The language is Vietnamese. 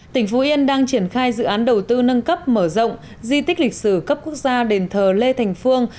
tỉnh phú yên đang triển khai dự án đầu tư nâng cấp mở rộng di tích lịch sử cấp quốc gia đền thờ lê thành phương